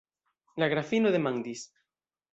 La grafino demandis: